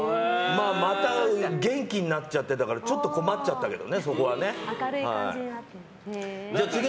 また元気になっちゃってたからちょっと困っちゃったけど。